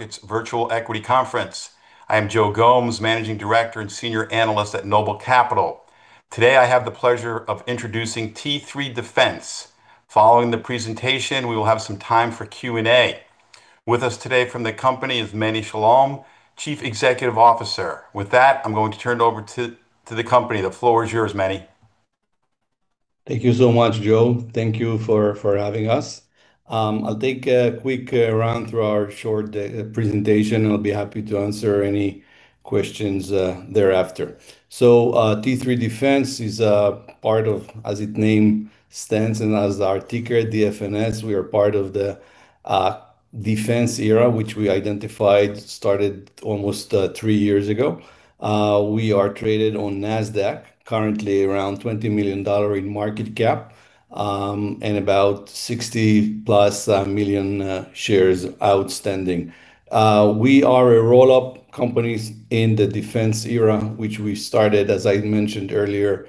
its Virtual Equity Conference. I am Joe Gomes, Managing Director and Senior Analyst at Noble Capital. Today, I have the pleasure of introducing T3 Defense. Following the presentation, we will have some time for Q&A. With us today from the company is Menny Shalom, Chief Executive Officer. With that, I'm going to turn it over to the company. The floor is yours, Menny. Thank you so much, Joe. Thank you for having us. I'll take a quick run through our short presentation, and I'll be happy to answer any questions thereafter. T3 Defense is part of, as its name stands, and as our ticker, DFNS, we are part of the defense era, which we identified started almost three years ago. We are traded on Nasdaq, currently around $20 million in market cap, and about 60+ million shares outstanding. We are a roll-up company in the defense era, which we started, as I mentioned earlier,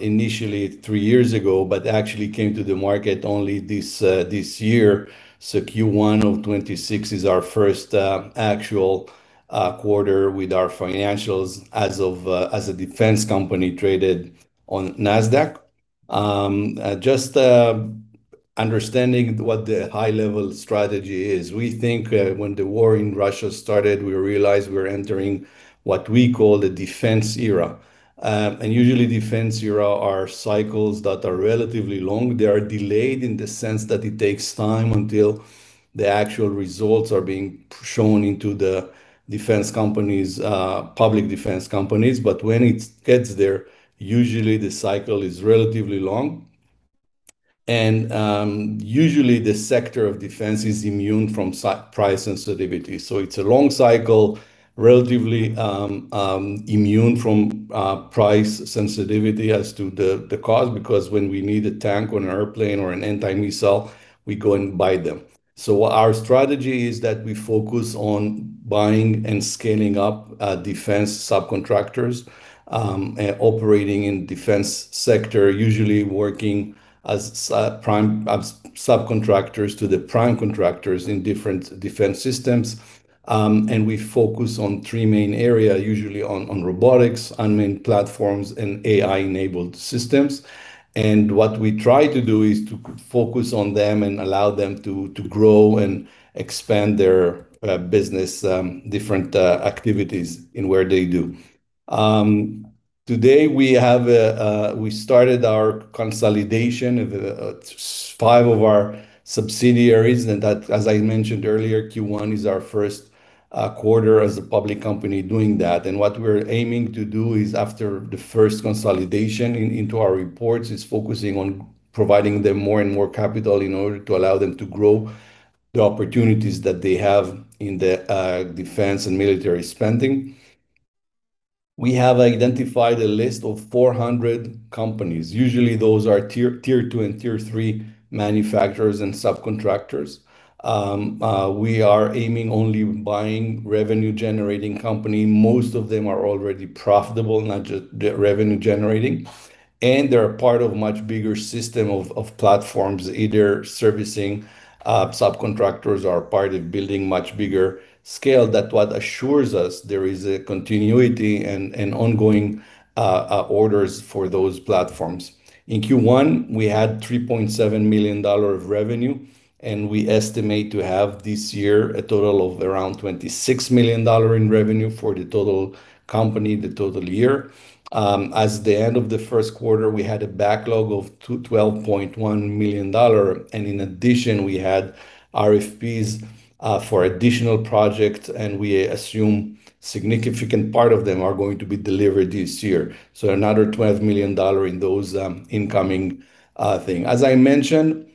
initially three years ago, but actually came to the market only this year. Q1 of 2026 is our first actual quarter with our financials as a defense company traded on Nasdaq. Just understanding what the high-level strategy is. We think when the war in Russia started, we realized we were entering what we call the defense era. Usually defense era are cycles that are relatively long. They are delayed in the sense that it takes time until the actual results are being shown into the public defense companies. When it gets there, usually the cycle is relatively long and usually the sector of defense is immune from price sensitivity. It's a long cycle, relatively immune from price sensitivity as to the cost, because when we need a tank or an airplane or an anti-missile, we go and buy them. Our strategy is that we focus on buying and scaling up defense subcontractors operating in defense sector, usually working as subcontractors to the prime contractors in different defense systems. We focus on three main areas, usually on robotics, unmanned platforms, and AI-enabled systems. What we try to do is to focus on them and allow them to grow and expand their business, different activities in where they do. Today, we started our consolidation of five of our subsidiaries, and as I mentioned earlier, Q1 is our first quarter as a public company doing that. What we're aiming to do is after the first consolidation into our reports, is focusing on providing them more and more capital in order to allow them to grow the opportunities that they have in the defense and military spending. We have identified a list of 400 companies. Usually, those are Tier 2 and Tier 3 manufacturers and subcontractors. We are aiming only buying revenue-generating company. Most of them are already profitable, not just revenue generating. They're part of much bigger system of platforms, either servicing subcontractors or part of building much bigger scale. That what assures us there is a continuity and ongoing orders for those platforms. In Q1, we had $3.7 million of revenue. We estimate to have this year a total of around $26 million in revenue for the total company, the total year. As the end of the first quarter, we had a backlog of $12.1 million. In addition, we had RFPs for additional projects. We assume significant part of them are going to be delivered this year. Another $12 million in those incoming thing. As I mentioned,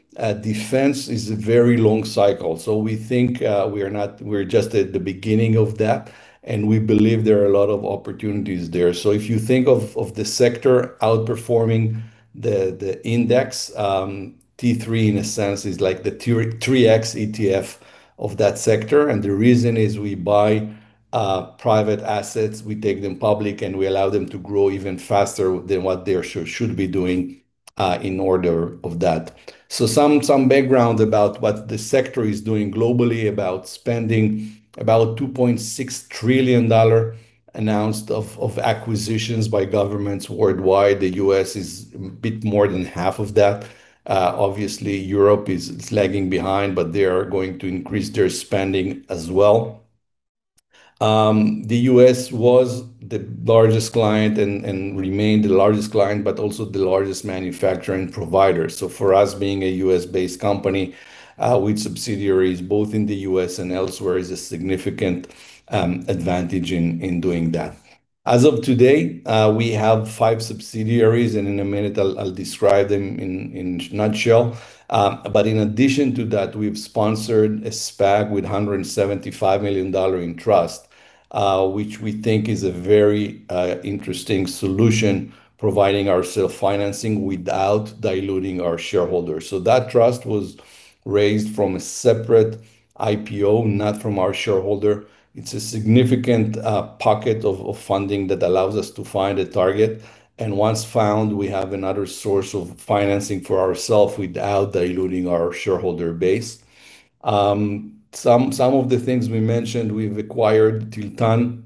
defense is a very long cycle. We think we're just at the beginning of that. We believe there are a lot of opportunities there. If you think of the sector outperforming the index, T3 in a sense is like the 3X ETF of that sector, and the reason is we buy private assets, we take them public, and we allow them to grow even faster than what they should be doing in order of that. Some background about what the sector is doing globally about spending about $2.6 trillion announced of acquisitions by governments worldwide. The U.S. is a bit more than half of that. Obviously, Europe is lagging behind, but they are going to increase their spending as well. The U.S. was the largest client and remained the largest client, but also the largest manufacturing provider. For us, being a U.S.-based company with subsidiaries both in the U.S. and elsewhere is a significant advantage in doing that. As of today, we have five subsidiaries, and in a minute I'll describe them in a nutshell. In addition to that, we've sponsored a SPAC with $175 million in trust, which we think is a very interesting solution, providing ourself financing without diluting our shareholders. That trust was raised from a separate IPO, not from our shareholder. It's a significant pocket of funding that allows us to find a target, and once found, we have another source of financing for ourself without diluting our shareholder base. Some of the things we mentioned, we've acquired Tiltan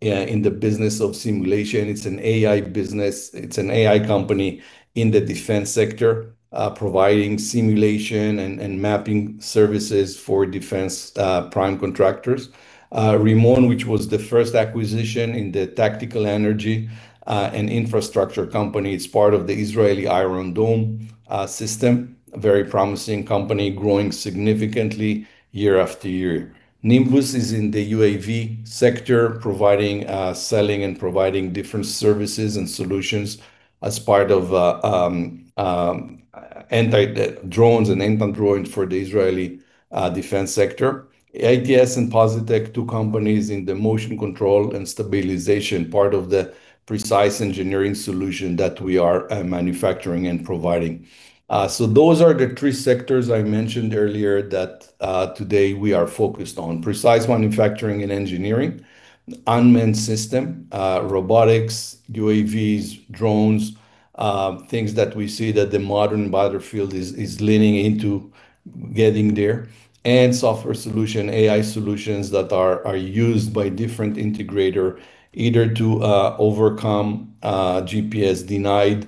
in the business of simulation. It's an AI business. It's an AI company in the defense sector, providing simulation and mapping services for defense prime contractors. Rimon, which was the first acquisition in the tactical energy and infrastructure company. It's part of the Israeli Iron Dome system. A very promising company, growing significantly year after year. Nimbus is in the UAV sector, selling and providing different services and solutions as part of anti-drones and unmanned drones for the Israeli defense sector. ITS and Positech, two companies in the motion control and stabilization part of the precise engineering solution that we are manufacturing and providing. Those are the three sectors I mentioned earlier that today we are focused on. Precise manufacturing and engineering, unmanned system, robotics, UAVs, drones, things that we see that the modern battlefield is leaning into getting there, and software solution, AI solutions that are used by different integrator either to overcome GPS denied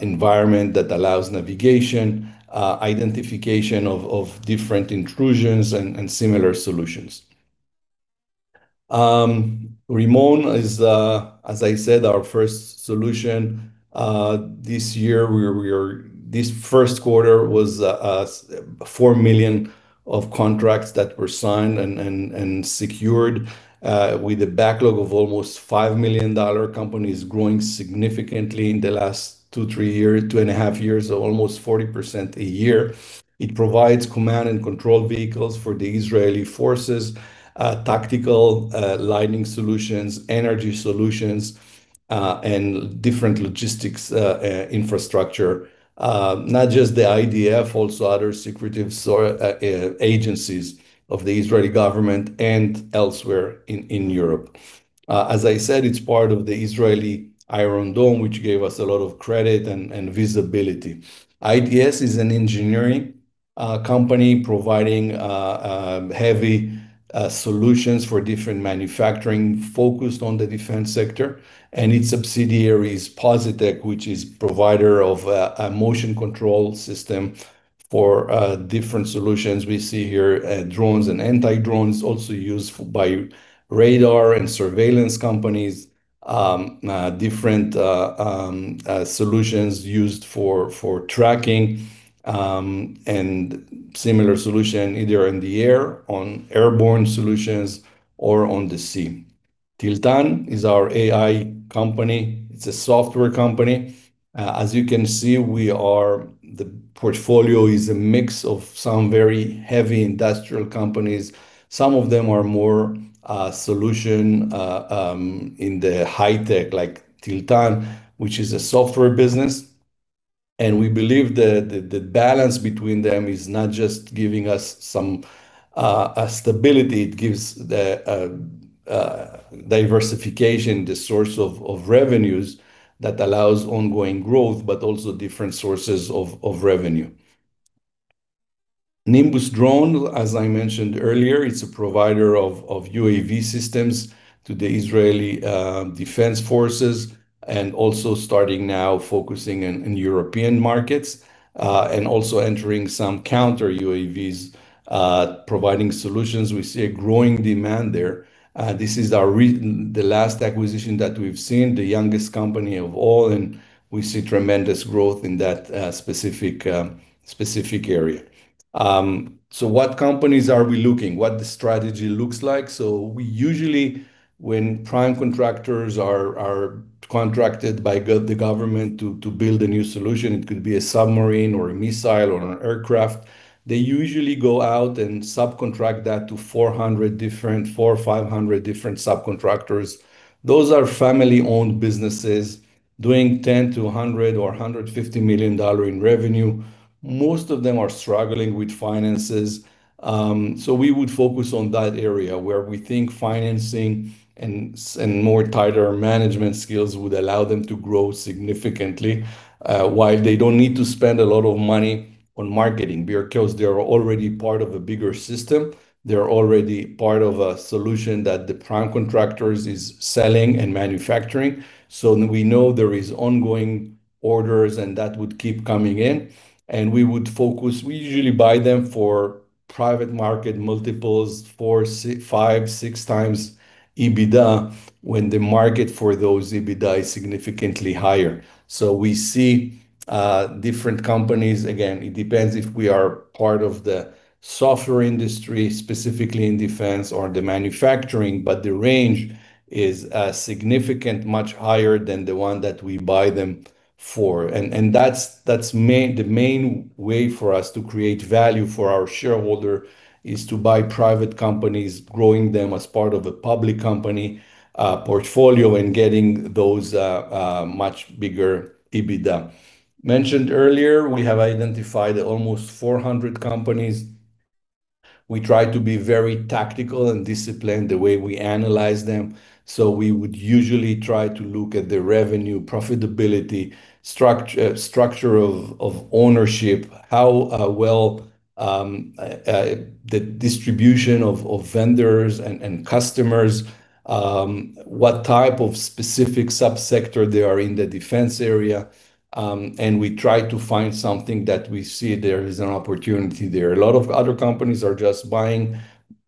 environment that allows navigation, identification of different intrusions, and similar solutions. Rimon is, as I said, our first solution. This first quarter was $4 million of contracts that were signed and secured with a backlog of almost $5 million. Company is growing significantly in the last two, three years, two and a half years, almost 40% a year. It provides command and control vehicles for the Israeli forces, tactical lighting solutions, energy solutions, and different logistics infrastructure. Not just the IDF, also other secretive agencies of the Israeli government and elsewhere in Europe. As I said, it's part of the Iron Dome, which gave us a lot of credit and visibility. ITS is an engineering company providing heavy solutions for different manufacturing focused on the defense sector, and its subsidiary is Positech, which is provider of a motion control system for different solutions. We see here drones and anti-drones also used by radar and surveillance companies. Different solutions used for tracking, and similar solution either in the air, on airborne solutions, or on the sea. Tiltan is our AI company. It's a software company. As you can see, the portfolio is a mix of some very heavy industrial companies. Some of them are more solution in the high tech, like Tiltan, which is a software business. We believe the balance between them is not just giving us some stability. It gives the diversification, the source of revenues that allows ongoing growth, also different sources of revenue. Nimbus Drone, as I mentioned earlier, it's a provider of UAV systems to the Israel Defense Forces, also starting now focusing in European markets, also entering some counter UAVs, providing solutions. We see a growing demand there. This is the last acquisition that we've seen, the youngest company of all. We see tremendous growth in that specific area. What companies are we looking? What the strategy looks like? We usually, when prime contractors are contracted by the government to build a new solution, it could be a submarine or a missile or an aircraft, they usually go out and subcontract that to 400, 500 different subcontractors. Those are family-owned businesses doing $10 million-$100 million or $150 million in revenue. Most of them are struggling with finances. We would focus on that area where we think financing and more tighter management skills would allow them to grow significantly, while they don't need to spend a lot of money on marketing because they are already part of a bigger system. They're already part of a solution that the prime contractors is selling and manufacturing. We know there is ongoing orders, and that would keep coming in. We usually buy them for private market multiples, 4x, 5x, 6x EBITDA, when the market for those EBITDA is significantly higher. We see different companies. Again, it depends if we are part of the software industry, specifically in defense or the manufacturing, but the range is a significant much higher than the one that we buy them for. The main way for us to create value for our shareholder is to buy private companies, growing them as part of a public company portfolio, and getting those much bigger EBITDA. Mentioned earlier, we have identified almost 400 companies. We try to be very tactical and disciplined the way we analyze them. We would usually try to look at the revenue, profitability, structure of ownership, how well the distribution of vendors and customers, what type of specific sub-sector they are in the defense area, and we try to find something that we see there is an opportunity there. A lot of other companies are just buying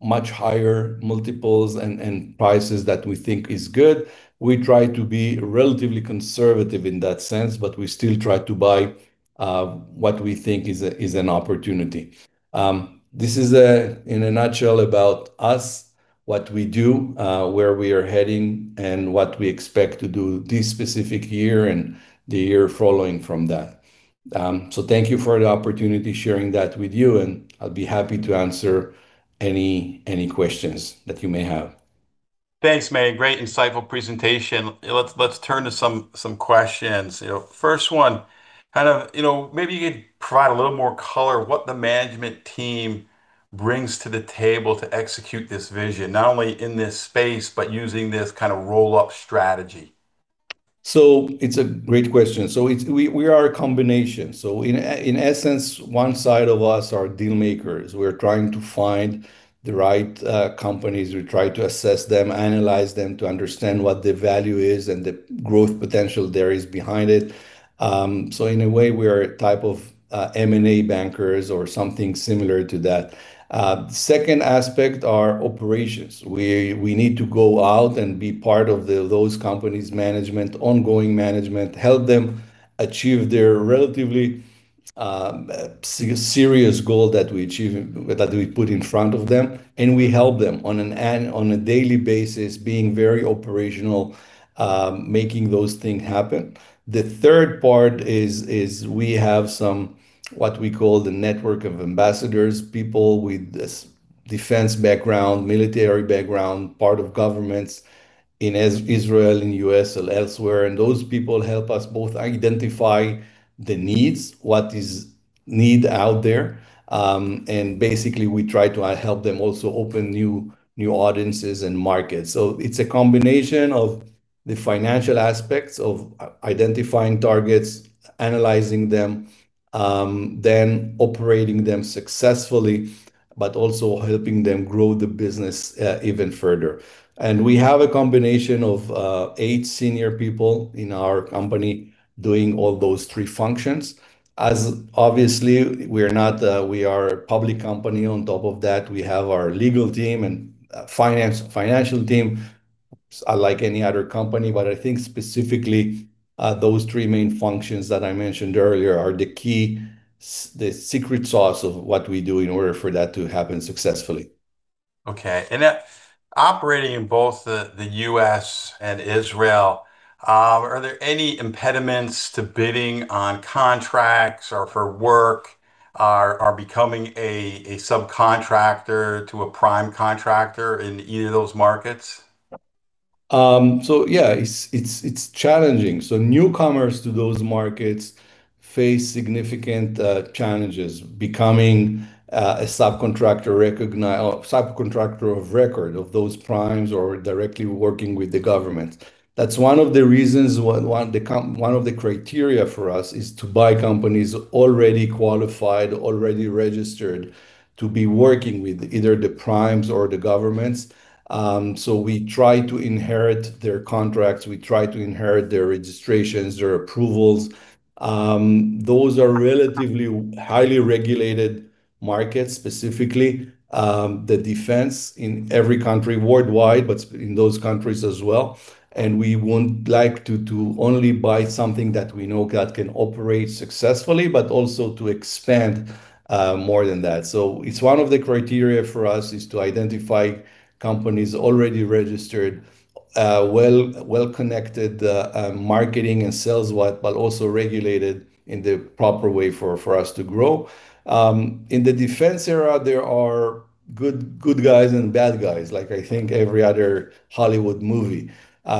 much higher multiples and prices that we think is good. We try to be relatively conservative in that sense, we still try to buy what we think is an opportunity. This is, in a nutshell, about us, what we do, where we are heading, and what we expect to do this specific year and the year following from that. Thank you for the opportunity, sharing that with you, and I'll be happy to answer any questions that you may have. Thanks, Menny. Great insightful presentation. Let's turn to some questions. First one, maybe you could provide a little more color what the management team brings to the table to execute this vision, not only in this space, but using this kind of roll-up strategy. It's a great question. We are a combination. In essence, one side of us are deal makers. We're trying to find the right companies. We try to assess them, analyze them to understand what the value is and the growth potential there is behind it. In a way, we are a type of M&A bankers or something similar to that. Second aspect are operations. We need to go out and be part of those companies' management, ongoing management, help them achieve their relatively serious goal that we put in front of them, and we help them on a daily basis, being very operational, making those things happen. The third part is we have some, what we call the network of ambassadors, people with this defense background, military background, part of governments in Israel, in U.S., or elsewhere. Those people help us both identify the needs, what is need out there, and basically, we try to help them also open new audiences and markets. It's a combination of the financial aspects of identifying targets, analyzing them, then operating them successfully, but also helping them grow the business even further. We have a combination of eight senior people in our company doing all those three functions. As obviously, we are a public company on top of that. We have our legal team and financial team, like any other company. I think specifically, those three main functions that I mentioned earlier are the key, the secret sauce of what we do in order for that to happen successfully. Okay. Operating in both the U.S. and Israel, are there any impediments to bidding on contracts or for work, or becoming a subcontractor to a prime contractor in either of those markets? Yeah, it's challenging. Newcomers to those markets face significant challenges becoming a subcontractor of record of those primes or directly working with the government. That's one of the reasons, one of the criteria for us is to buy companies already qualified, already registered to be working with either the primes or the governments. We try to inherit their contracts, we try to inherit their registrations, their approvals. Those are relatively highly regulated markets, specifically, the defense in every country worldwide, but in those countries as well. We would like to only buy something that we know that can operate successfully, but also to expand more than that. It's one of the criteria for us is to identify companies already registered, well connected, marketing and sales wide, but also regulated in the proper way for us to grow. In the defense era, there are good guys and bad guys, like I think every other Hollywood movie.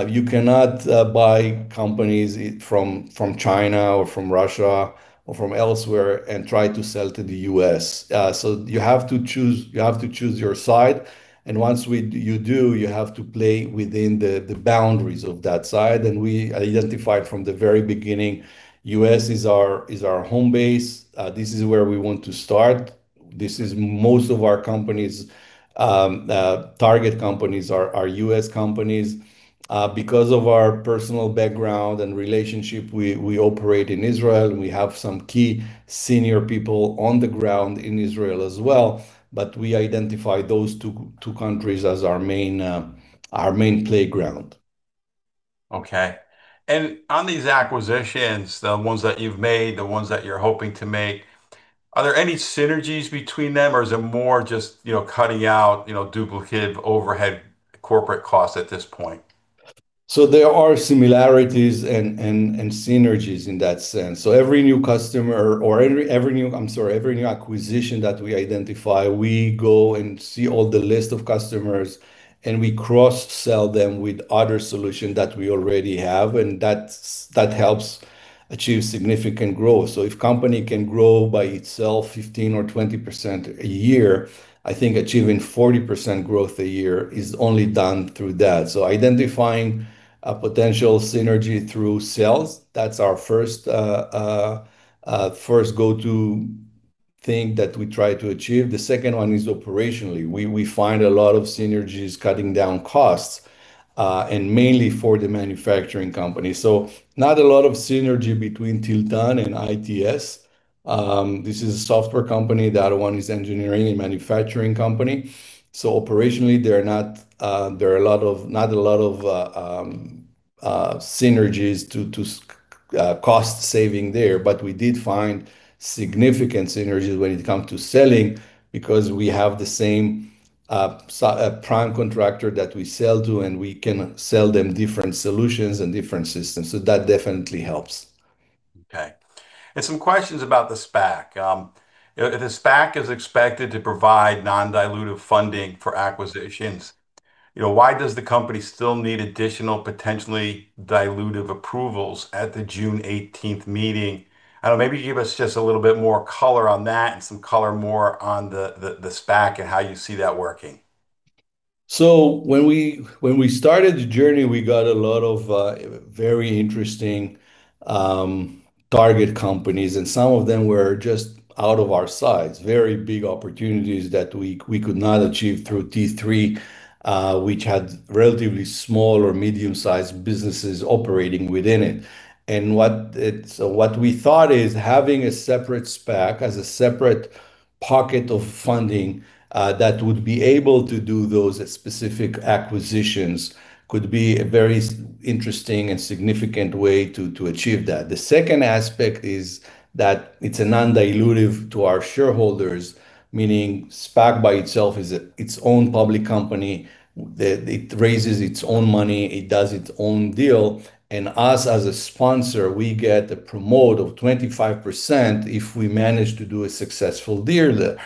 You cannot buy companies from China or from Russia or from elsewhere and try to sell to the U.S. You have to choose your side, and once you do, you have to play within the boundaries of that side. We identified from the very beginning, U.S. is our home base. This is where we want to start. Most of our target companies are U.S. companies. Because of our personal background and relationship, we operate in Israel, and we have some key senior people on the ground in Israel as well, but we identify those two countries as our main playground. Okay. On these acquisitions, the ones that you've made, the ones that you're hoping to make, are there any synergies between them, or is it more just cutting out duplicate overhead corporate costs at this point? There are similarities and synergies in that sense. Every new customer or every new, I'm sorry, every new acquisition that we identify, we go and see all the list of customers, and we cross-sell them with other solution that we already have, and that helps achieve significant growth. If company can grow by itself 15% or 20% a year, I think achieving 40% growth a year is only done through that. Identifying a potential synergy through sales, that's our first go-to thing that we try to achieve. The second one is operationally. We find a lot of synergies cutting down costs, and mainly for the manufacturing company. Not a lot of synergy between Tiltan and ITS. This is a software company. The other one is engineering and manufacturing company. Operationally, there are not a lot of synergies to cost saving there, but we did find significant synergies when it come to selling because we have the same prime contractor that we sell to and we can sell them different solutions and different systems. That definitely helps. Okay. Some questions about the SPAC. If the SPAC is expected to provide non-dilutive funding for acquisitions, why does the company still need additional potentially dilutive approvals at the June 18th meeting? I don't know, maybe give us just a little bit more color on that and some color more on the SPAC and how you see that working. When we started the journey, we got a lot of very interesting target companies, and some of them were just out of our size, very big opportunities that we could not achieve through T3, which had relatively small or medium-sized businesses operating within it. What we thought is having a separate SPAC as a separate pocket of funding, that would be able to do those specific acquisitions could be a very interesting and significant way to achieve that. The second aspect is that it's a non-dilutive to our shareholders, meaning SPAC by itself is its own public company, that it raises its own money, it does its own deal, and us as a sponsor, we get a promote of 25% if we manage to do a successful deal there.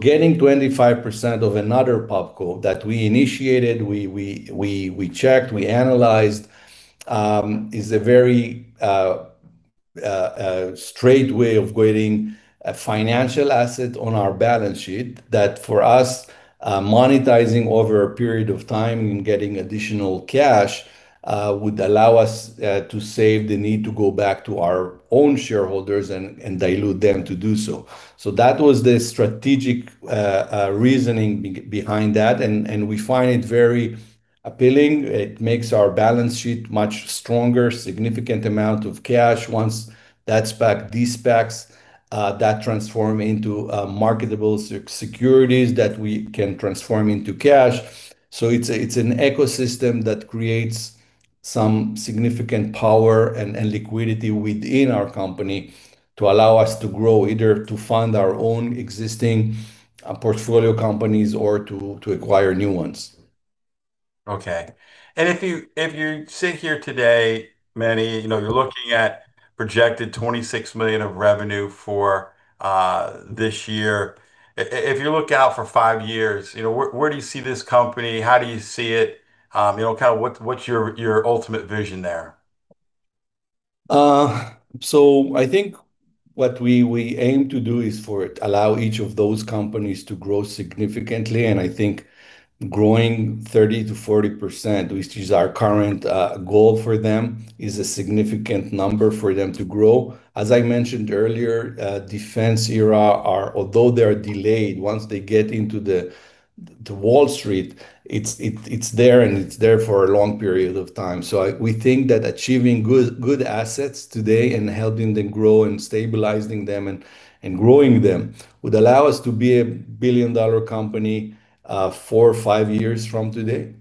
Getting 25% of another pubco that we initiated, we checked, we analyzed, is a very straight way of getting a financial asset on our balance sheet that for us, monetizing over a period of time and getting additional cash, would allow us to save the need to go back to our own shareholders and dilute them to do so. That was the strategic reasoning behind that, and we find it very appealing. It makes our balance sheet much stronger, significant amount of cash once that SPAC de-SPACs, that transform into marketable securities that we can transform into cash. It's an ecosystem that creates some significant power and liquidity within our company to allow us to grow, either to fund our own existing portfolio companies or to acquire new ones. Okay. If you sit here today, Menny, you're looking at projected $26 million of revenue for this year. If you look out for five years, where do you see this company? How do you see it? What's your ultimate vision there? I think what we aim to do is for it allow each of those companies to grow significantly, and I think growing 30%-40%, which is our current goal for them, is a significant number for them to grow. As I mentioned earlier, defense assets are, although they are delayed, once they get into the Wall Street, it's there and it's there for a long period of time. We think that achieving good assets today and helping them grow and stabilizing them and growing them would allow us to be a billion-dollar company four or five years from today.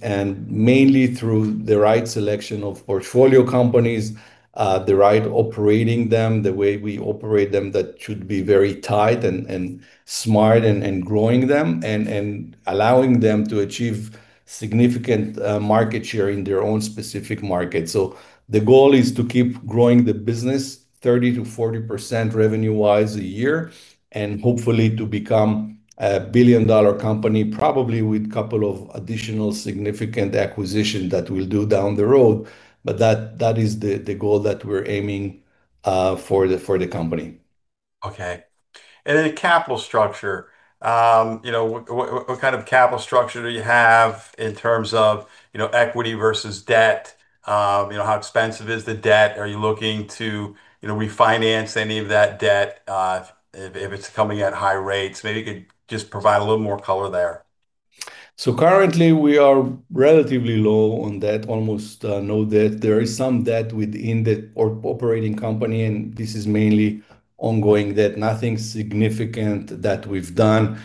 Mainly through the right selection of portfolio companies, the right operating them, the way we operate them that should be very tight and smart and growing them, and allowing them to achieve significant market share in their own specific market. The goal is to keep growing the business 30%-40% revenue-wise a year, and hopefully to become a billion-dollar company, probably with couple of additional significant acquisition that we'll do down the road. That is the goal that we're aiming for the company. Okay. Capital structure. What kind of capital structure do you have in terms of equity versus debt? How expensive is the debt? Are you looking to refinance any of that debt? If it's coming at high rates, maybe you could just provide a little more color there. Currently we are relatively low on debt, almost no debt. There is some debt within the operating company, and this is mainly ongoing debt, nothing significant that we've done.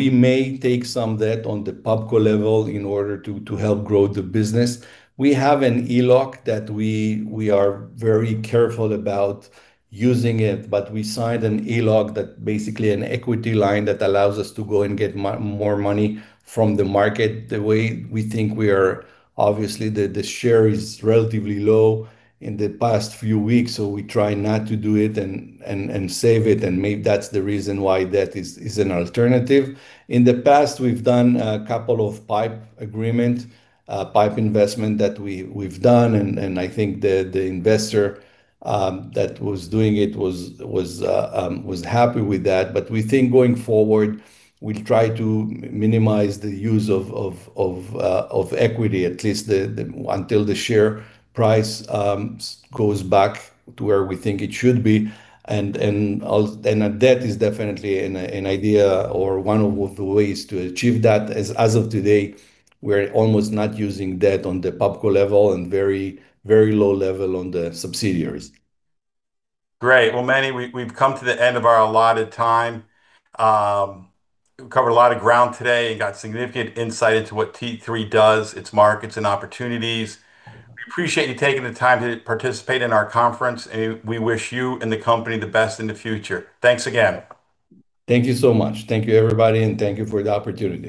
We may take some debt on the pubco level in order to help grow the business. We have an ELOC that we are very careful about using it, but we signed an ELOC that basically an equity line that allows us to go and get more money from the market the way we think we are. Obviously, the share is relatively low in the past few weeks, so we try not to do it and save it and maybe that's the reason why debt is an alternative. In the past, we've done a couple of PIPE agreement, PIPE investment that we've done, and I think the investor that was doing it was happy with that. We think going forward, we'll try to minimize the use of equity, at least until the share price goes back to where we think it should be. Debt is definitely an idea or one of the ways to achieve that. As of today, we're almost not using debt on the pubco level and very low level on the subsidiaries. Great. Well, Menny, we've come to the end of our allotted time. We covered a lot of ground today and got significant insight into what T3 does, its markets and opportunities. We appreciate you taking the time to participate in our conference, and we wish you and the company the best in the future. Thanks again. Thank you so much. Thank you, everybody, and thank you for the opportunity